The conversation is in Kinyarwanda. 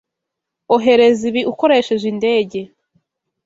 Ohereza ibi ukoresheje indege.